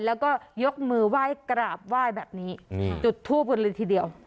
แล้วก็ยกมือไหว้กราบไหว้แบบนี้จุดทูบกันเลยทีเดียว